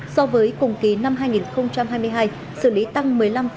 so với cùng kỳ năm hai nghìn hai mươi hai xử lý tăng một mươi năm